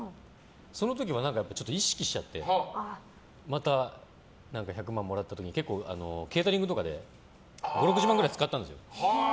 その時は意識しちゃってまた１００万円もらった時に結構ケータリングとかで５０６０万くらい使ったんです。